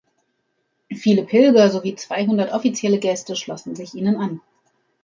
Viele Pilger sowie zweihundert offizielle Gäste schlossen sich ihnen an.